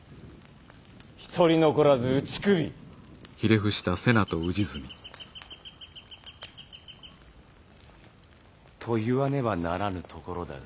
一人残らず打ち首！と言わねばならぬところだが。